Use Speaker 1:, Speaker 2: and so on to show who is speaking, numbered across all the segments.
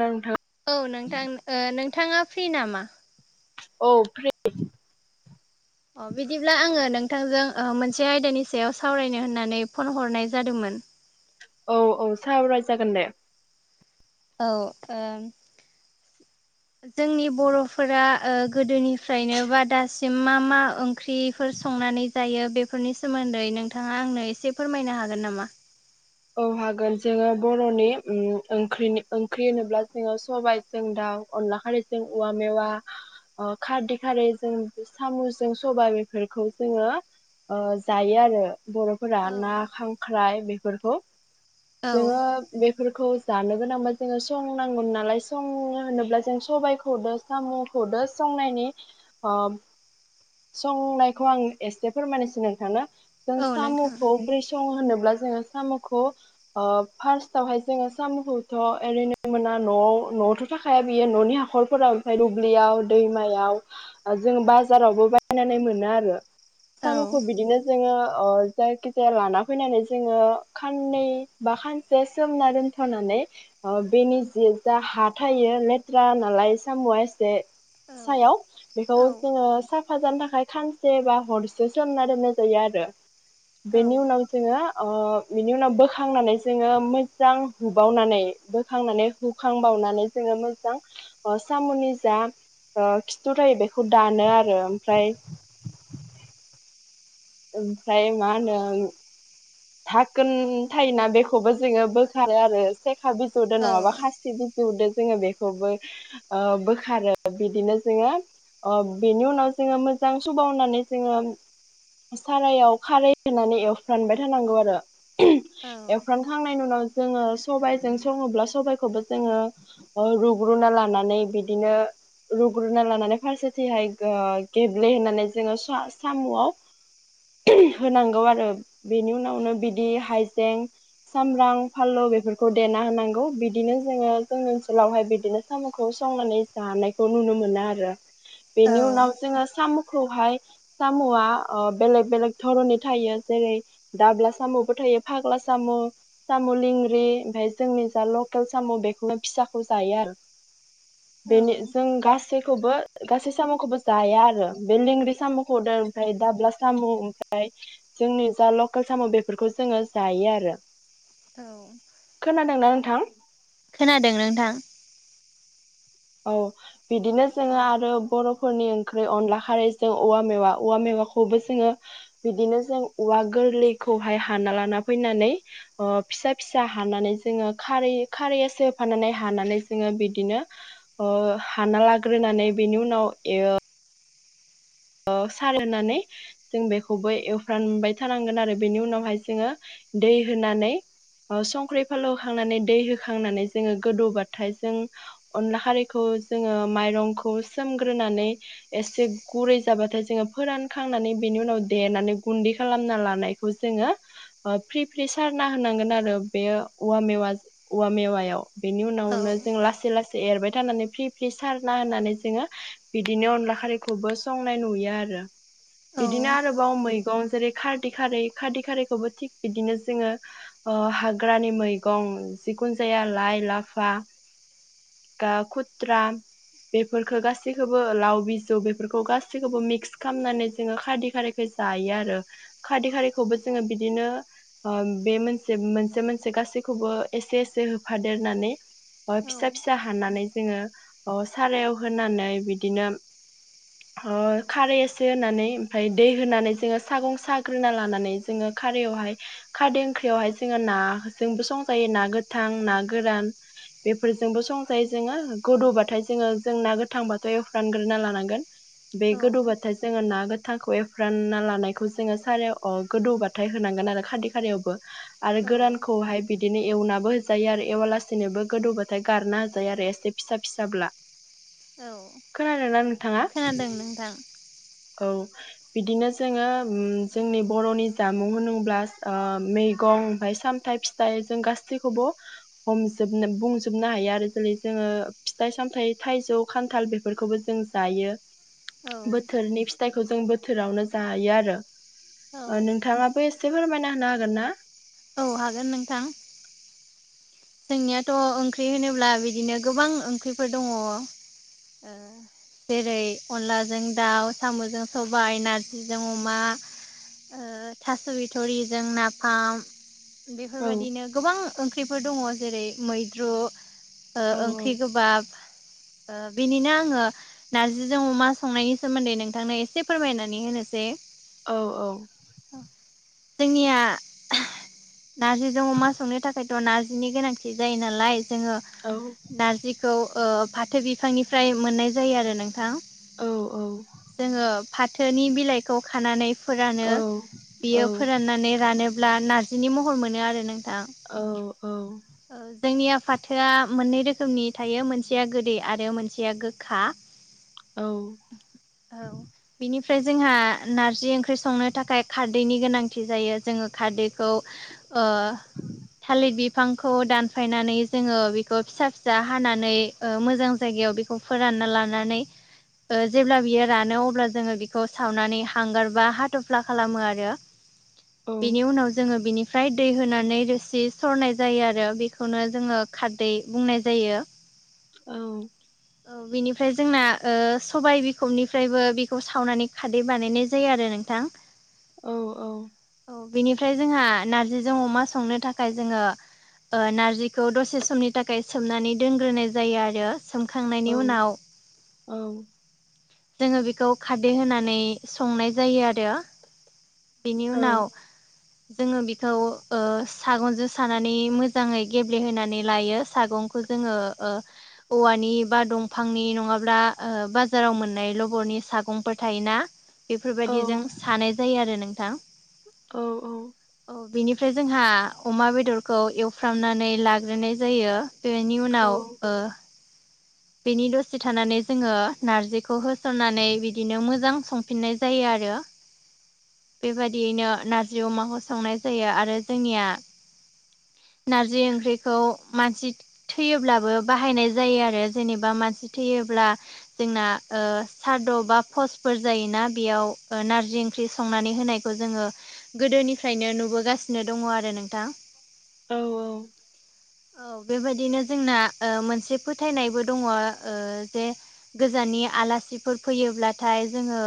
Speaker 1: नोंथाङा
Speaker 2: औ नोंथां ओ नोंथाङा फ्रि नामा?
Speaker 1: औ फ्रि।
Speaker 2: अ बिदिब्ला आङो नोंथांजों ओ मोनसे आयदानि सायाव सावरायनो होननानै फन हरनाय जादोंमोन।
Speaker 1: औ औ सावराय जागोन दे।
Speaker 2: औ ओम
Speaker 1: [inaudible]
Speaker 2: जोंनि बर'फोरा ओ गोदोनिफ्रायनो बा दासिम मा मा ओंख्रिफोर संनानै जायो बेफोरनि सोमोन्दै नोंथाङा आंनो एसे फोरमायनो हागोन नामा?
Speaker 1: औ हागोन जोङो बर'नि उम ओंख्रिनि ओंख्रि होनोब्ला जोङो सबाय जों दाउ अनला खारैजों औवा मेवा अ खारदै खारै जों सामुजों सबा बेफोरखौ जोङो ओ जायो आरो बर'फोरा
Speaker 2: औ
Speaker 1: ना खांख्राइ बेफोरखौ।
Speaker 2: औ
Speaker 1: जोङो बेफोरखौ जानो गोनांबा जोङो संनांगौ नालाय संनो होनोब्ला जों सबाइखौ सामुखौ दो संनायनि ओ संनायखौ आं एसे फोरमायनोसै नोंथां जों
Speaker 2: औ नोंथां
Speaker 1: साम'खौ ब्रै सं होनोब्ला जोङो साम'खौ ओ फार्स्टवहाय जोङो साम'खौथ' ओरैनो मोना न'आव न'आवथ' थाखाया बियो न'नि हाखरफोराव ओमफ्राय दुब्लियाव दैमायाव जों बाजारावबो बायनानै मोनो आरो
Speaker 2: औ
Speaker 1: साम'खौ बिदिनो जोङो जायखि जाया लाना फैनानै जोङो खाननै बा खानसे सोमना दोनथ'नानै अ बेनि जि जा हा थायो लेथ्रा नालाय साम'आ एसे
Speaker 2: औ
Speaker 1: सायाव बेखौ
Speaker 2: औ
Speaker 1: जोङो सा‌ फाजानो थाखाय खानसे बा हरसे सोमना दोननाय जायो आरो। बेनि उनाव जोङो ओ बिनि उनाव बोखांनानै जोङो मोजां हुबावनानै बोखांनानै हुखांबावनानै जोङो मोजां ओ साम'नि जा ओ खिथु थायो बेखौ दानो आरो ओमफाय ओमफ्राय मा होनो थागोन थायोना बेखौबो जोङो बोखारो आरो सेखा बिजौजों
Speaker 2: औ
Speaker 1: नङाबा खासि बिजौ जिदो जोङो बेखौबो बोखारो बिदिनो जोङो बेनि उनाव जोंङो मोजां सभाव होननानै जोंङो सारायाव खारै होनानै एवफ्रानबाय थानांगौ आरो एवफ्राम थांनायनि उनाव जोंङो सबायजों संङोब्ला सबायखौबो जोंङो ओ रुग्रोना लानानै बिदिनो रुग्रोना लानानै फारसेथिंहाय ओ गेब्लेहनानै जोंङो सा-सामुआव होनांगौ आरो बेनि उनावनो बिदि हाइजें सामब्राम फानलौ बेफोरखौ देना होनांगौ बिदिनो जोंङो जोंनि ओनसोलावहाय बिदिनो सामखौ संनानै जानायखौ नुनो मोनो आरो
Speaker 2: औ
Speaker 1: बेनि उनाव जोंङो सामुखौहाय सामुआ बेलेग बेलेक धरननि थायो जेरै दाब्ला सामुबो थायो फाग्ला सामु सामु लंग्रि ओमफाय जोंनि जा लकेल सामु बेखौनो फिसाखौ जायो आरो बेनो जों गासै गासैखौबो गासै सामुखौबो जाया आरो बे लेंग्रि सामुखौदो ओमफ्राय दाब्ला सामु ओमफ्राय जोंनि जा लकेल सामु बेफोरखौ जोंङो जायो आरो
Speaker 2: औ
Speaker 1: खोनादोंना नोंथां
Speaker 2: खोनादों नोंथां
Speaker 1: औ बिदिनो जोंङो
Speaker 2: औ
Speaker 1: आरो बरफोरनि ओंख्रि अनला खारैजों औवा मेवा औवा मेवाखौबो जोंङो बिदिनो जों औवा गोरलैखौहाय हानना लाना फैनानै अ फिसा फिसा हानानै जोंङो खारै खारैया इसे होफाना हानानै जोंङो बिदिनो हाना लाग्रोनानै बेनि उनाव ओ ओ सारनानै जों बेखौबो एवफ्रानबाय थानांगोन आरो बेनि उनावहाय जोंङो दै होनानै संख्रि फालाव होखांनानै दै होखांनानै जोंङो गोदौबाथाय जों अनला खारैखौ जोंङो माइरंखौ सोमग्रोनानै एसे गुरै जाबाथाय जोंङो फोरानखांनानै बेनि उनाव देनानै गुन्दै खालामना लानायखौ जोंङो फ्रि फ्रि सारना होनांगोन आरो बे औवा मेवा औवा मेवायाव बेनि उनावनो जों ला लासै लासै एरबाय थानानै फ्रि फ्रि सारना होननानै जोंङो बिदिनो अनला खारैखौबो संनाय नुयो आरो बिदिनो
Speaker 2: औ
Speaker 1: आरो बाव मैगं जेरै खारदै खारै खारदै खारैखौबो थिग बिदिनो जोंङो अ हाग्रानि मैगं जिखुन जाया लाइ लाफा गा खुथ्रा बेफोरखो गासैखौबो लाव बिजौ बेफोरखौ खौ गाैखौबो मिक्स खालामनानै जोंङो खादै खारैखौ जायो आरो खादै खारैखौबो जोंङो बिदिनो ओ बे मोनसे मोनसे मोनसे गासैखौबो एसे एसे होफादेरनानै ओ
Speaker 2: औ
Speaker 1: फिसा फिसा हानानै जोंङो सारायाव होनानै बिदिनो ओ खारै एसे होनानै ओमफ्राय दै होनानै जोंङो सागं साग्रोना लानानै जोंङो खारयावहाय खारदै ओंख्रियावहाय जोंङो नाजोंबो संजायो ना गोथां ना गोरान बेफोर जोंबो संजायो जोंङो गोदौबाथाय जोंङो जोंना गोथांबाथाय एवफानग्रोना लानांगोन बे
Speaker 2: औ
Speaker 1: गोदौ बाथाय जोंङो ना गोथांखौ एफ्रानना लानायखौ जोंङो सारायाव अ गोदौबाथाय होनांगोन आरो खारदै खाारियावबो आरो गोरानखौहाय बिदिनो एवनाबो होजायो आरो एवाला सेनोबो गोदौबाथाय गारना होजायो आरो एसे फिसा फिसाब्ला
Speaker 2: औ
Speaker 1: खोनादोंना नोंथाङा?
Speaker 2: खोनादों नोंथां
Speaker 1: औ बिदिनो जोंङो उम जोंनि बरनि जामुं होनोब्ला ओ मैगं ओमफाय सामथाइ फिथाइ दायो जों गासैखौबो हमजोबनो बुंजोबनो हायो आरो जेरै जोंङो फिथाइ सामथायाइ थाइजौ खान्थाल बेफोरखौबो जों जायो
Speaker 2: औ
Speaker 1: बोथोर नि फिथाइखौ जों बोथोरावनो जायो आरो
Speaker 2: औ
Speaker 1: नोंथाङा बे एसे फोरमायना होनो हागोन ना?
Speaker 2: औ हागोन नोंथां। जोंनियाथ' ओंख्रि होनोब्ला बिदिनो गोबां ओंख्रिफोर दङ। जेरै अनलाजों दाउ साम'जों सबाय नारजिजों अमा ओ थास' बिथ'रिजों नाफाम
Speaker 1: औ
Speaker 2: बिफोरबायदिनो गोबां ओंख्रिफोर दङ जेरै मैद्रु ओ
Speaker 1: औ
Speaker 2: ओंख्रि गोबाब ओ बेनिनो आङो नार्जिजों अमा संनायनि सोमोन्दै नोंथांनो एसे फोरमायनानै होनोसै
Speaker 1: औ औ
Speaker 2: जोंनिया [unintelligible] नारजिजों अमा संनो थाखायथ' नारजिनि गोनांथि जायो नालाय जोङो
Speaker 1: औ
Speaker 2: नारजिखौ ओ फाथो बिफांनिफ्राय मोननाय जायो आरो नोंथां।
Speaker 1: औ औ
Speaker 2: जोङो फाथोनि बिलाइखौ खानानै फोरानो
Speaker 1: औ
Speaker 2: बियो फोराननानै रानोब्ला नार्जिनि महर मोनो आरो नोंथां।
Speaker 1: औ औ
Speaker 2: ओ जोंनिया फाथोआ मोननै रोखोमनि थायो मोनसेया गोदै आरो मोनसेया गोखा
Speaker 1: औ
Speaker 2: औ बेनिफ्राय जोंहा नारजि ओंख्रि संनो थाखाय खारदैनि गोनांथि जायो जोङो खारदै खौ ओ थालिर बिब खौ दानफायनानै जोङो बिखौ फिसा फिसा हानानै मोजां जायगायाव बे खौ फोरानना लानानै ओ जेब्ला बियो रानो अब्ला जोङो बिखौ सावनानै हांगारबा हाथ'फ्ला खालामो आरो। बेनि उनाव जोङो बिनिफ्राय दै होनानै रोसि सरनाय जायो आरो बेखौनो जोङो खारदै बुंनाय जायो।
Speaker 1: औ।
Speaker 2: औ बिनिफ्राय जोंना ओ सबाइ बिखबनिफ्रायबो बेखौ सावनानै खारदै बानायनाय जायो आरो नोंथां।
Speaker 1: औ औ।
Speaker 2: औ बेनिफ्राय जोंहा नारजिजों अमा संनो थाखाय जोङो ओ नार्जिखौ दसे समनि थाखाय सोमनानै दोनग्रोनाय जायो आरो। सोमखांनायनि उनाव जोङो बेखौ खारदै होनानै संनाय जायो आरो। बेनि
Speaker 1: औ
Speaker 2: उनाव जोङो बिखौ ओ सागनजों साना नै मोजाङै गेब्लेहोनानै लायो सागंखो जोङो ओ औवानि बा दंफांनि नङाब्ला ओ बाजाराव मोननाय लबरनि सागंफोर थायोना?
Speaker 1: औ
Speaker 2: बिफोरबायदिजों सानाय जायो आरो नोंथां।
Speaker 1: औ औ
Speaker 2: औ बेनिफ्राय जोंहा अमा बेदरखौ एवफ्रामनानै लाग्रोनाय जायो। बेनि उनाव ओ बिनि दसे थानानै जोङो नारजिखौ होसननानै बिदिनो मोजां संफिननाय जायो आरो। बेबायदियैनो नारजि अमाखौ संनाय जायो आरो जोंनिया नारजि ओंख्रिखौ मानसि थैयोब्लाबो बाहायनाय जायो आरो। जेनेबा मानसि थैयोब्ला जोंना ओ सारद' बा पसफोर जायोना बेयाव ओ नारजि ख्रि संनानै होनायखौ जोङो गोदोनिफ्रायनो नुबोगासिनो दङ आरो नोंथां।
Speaker 1: औ
Speaker 2: औ बेबायदिनो जोंना ओ मोनसे फोथायनायबो दङ ओ जे गोजाननि आलासिफोर फैयोब्लाथाय जोङो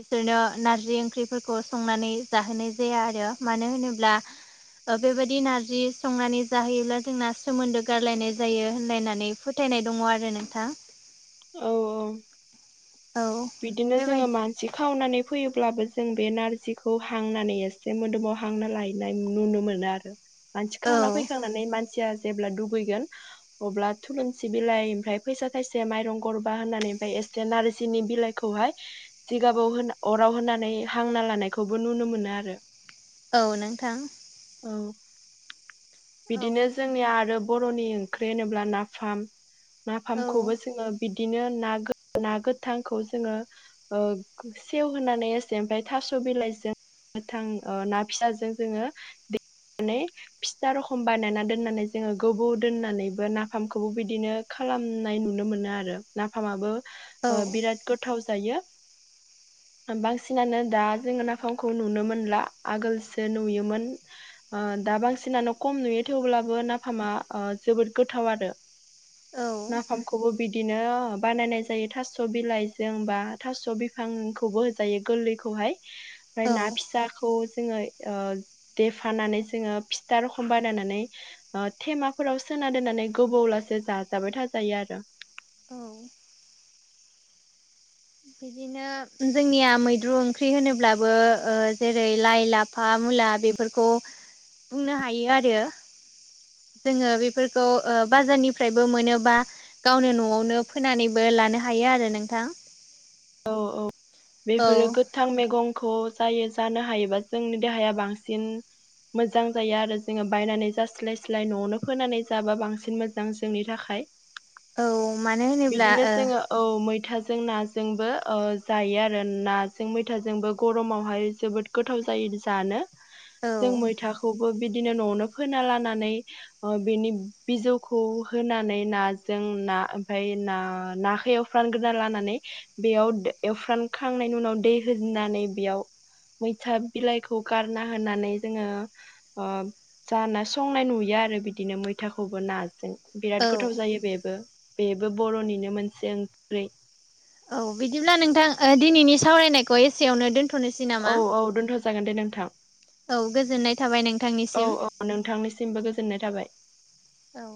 Speaker 2: बिसोरनो नारजि ओंख्रिफोरखौ संनानै जाहोनाय जाया आरो। मानो होनोब्ला बेबायदि नारजि संनानै जाहैयोब्ला जोंना सोमोन्दो गारलायनाय जायो होनलायनानै फोथायनाय दङ आरो नोंथां।
Speaker 1: औ औ।
Speaker 2: औ
Speaker 1: बिदिनो जोङो
Speaker 2: बेबायदि
Speaker 1: मान सि खावनानै फैयोब्लाबो जों बे नारजिखौ हांनानै एसे मोदोमाव हांना लाहैनाय नुनो मोनो आरो। मानसि
Speaker 2: औ
Speaker 1: खावना फैखांनानै मानसिया जेब्ला दुबैगोन अब्ला थुलुनसि बिलाइ ओमफाय पैसा थायसे मायरं गरबा होननानै ओमफाय एसे नारजिनि बिलाइखौहाय जिगाबाव होन अराव होनानै हांना लानायखौबो नुनो मोनो आरो।
Speaker 2: औ नोंथां।
Speaker 1: औ।
Speaker 2: औ
Speaker 1: बिदिनो जोंनि आरो बर'नि ख्रि होनोब्ला नाफाम,
Speaker 2: औ
Speaker 1: नाफामखौबो जोङो बिदिनो नागोथ ना गोथांखौ जोङो ओ सेव होनानै एसे ओमफाय थास' बिलाइजों गोथां ओ ना फिसाजों जोङो दे नै फिथा रखम बानायना दोननानै जोङो गोबौ दोननानैबो नाफामखौबो बिदिनो खालामनाय नुनो मोनो आरो नाफामाबो बिराद गोथाव जायो। बांसिनानो दा जोङो नाफामखौ नुनो मोनला आगोलसो नुयोमोन। ओ दा बांसिनानो खम नुयो थेवब्लाबो नाफामा ओ जोबोद गोथाव आरो।
Speaker 2: औ औ
Speaker 1: नाफामखौबो बिदि बिदिनो बानायनाय जायो थास' बिलाइजों बा थास' बिफांखौबो होजायो गोरलैखौहाय ओमफाय ना फिसाखौ जोङो ओ देफानानै जोङो फिथा रखम बानायनानै ओ थेमाफोराव सोना दोननानै गोबावलासे जाजाबाय थाजायो आरो।
Speaker 2: औ। बिदिनो जोंनिया मैद्रु ओंख्रि होनोब्लाबो ओ जेरै लाइ लाब फा मुला बेफोरखौ बुंनो हायो आरो जोङो बेफोरखौ ओ बाजारनिफ्रायबो मोनोबा गावनो न'आवनो फोनानैबो लानो हायो आरो नोंथां।
Speaker 1: औ औ
Speaker 2: औ
Speaker 1: बेफोरो गो थां मेगंखौ जायो जानो हायोबा जोंनि देहाया बांसिन मोजां जायो आरो जोङो बायनानै जास्लाय स्लाय न'आवनो फोनानै जाबा बांसिन मोजां जोंनि थाखाय
Speaker 2: मानो होनोब्ला
Speaker 1: बिदिनो
Speaker 2: ओ
Speaker 1: जोङो औ मैथाजों नाज जोंबो औ जायो आरो नाजों मैथाजोंबो गरमावहाय जोबोद गोथाव जायो जानो
Speaker 2: औ
Speaker 1: जों मैथाखौबो बिदिनो न'आवनो फोना लानानै बेनि बिजौखौ होनानै नाजों ना ओमफाय ना-नाखौ एव फ्रानग्रोना लानानै बेयावद एवफ्रानखांनायनि उनाव दै होजनानै बेयाव मैथा बिलाइखौ गारना होनानै जोङो ओ जाना संनाय नुयो आरो बिदिनो मैथाखौबो नाजों।
Speaker 2: औ
Speaker 1: बिराद गोथाव जायो बेबो, बेबो बर'निनो मोनसे ओंख्रि।
Speaker 2: औ बिदिब्ला नोंथां ओ दिनैनि सावरायनायखौ एसेयावनो दोन
Speaker 1: औ औ दोन्थ' जागोन दे नोंथां।
Speaker 2: औ गोजोननाय थाबाय
Speaker 1: औ
Speaker 2: नोंथांनिसिम
Speaker 1: औ नोंथांनिसिमबो गोजोननाय थाबाय।
Speaker 2: औ